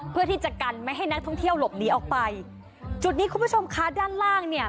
เพื่อที่จะกันไม่ให้นักท่องเที่ยวหลบหนีออกไปจุดนี้คุณผู้ชมคะด้านล่างเนี่ย